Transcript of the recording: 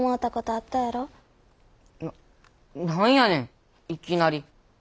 な何やねんいきなり。